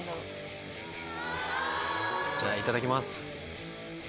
じゃあいただきます。